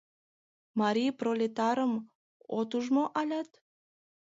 «Марий пролетарым» от уж мо алят?